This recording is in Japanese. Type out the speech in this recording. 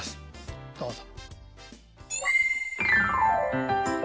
どうぞ。